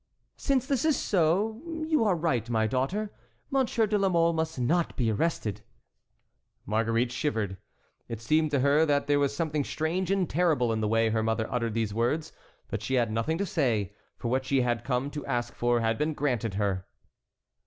"Since this is so, you are right, my daughter; Monsieur de la Mole must not be arrested." Marguerite shivered. It seemed to her that there was something strange and terrible in the way her mother uttered these words; but she had nothing to say, for what she had come to ask for had been granted her.